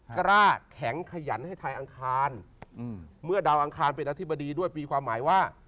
กล้าแข็งขยันให้ไทยอังคารเมื่อดาวอังคารเป็นอธิบดีด้วยปีความหมายว่า